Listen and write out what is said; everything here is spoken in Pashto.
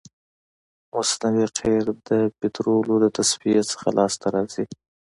مصنوعي قیر د پطرولو د تصفیې څخه لاسته راځي